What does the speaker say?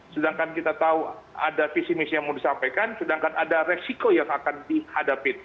sedangkan kita tahu ada visi misi yang mau disampaikan sedangkan ada resiko yang akan dihadapi